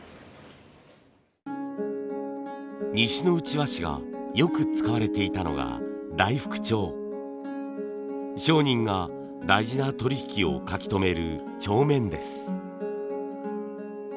西ノ内和紙がよく使われていたのが商人が大事な取り引きを書き留める帳面です。